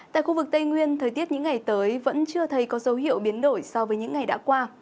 tại khu vực tây nguyên thời tiết những ngày tới vẫn chưa thấy có dấu hiệu biến đổi so với những ngày đã qua